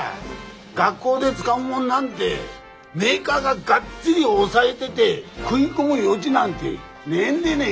学校で使うもんなんてメーカーががっちり押さえでで食い込む余地なんてねえんでね。